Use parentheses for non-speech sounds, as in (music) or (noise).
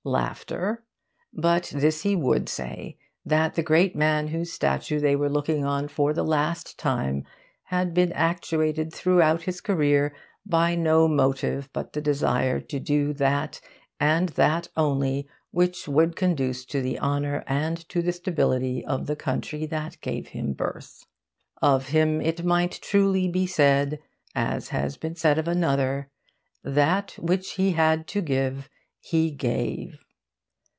(laughs) But this he would say, that the great man whose statue they were looking on for the last time had been actuated throughout his career by no motive but the desire to do that, and that only, which would conduce to the honour and to the stability of the country that gave him birth. Of him it might truly be said, as had been said of another, 'That which he had to give, he gave.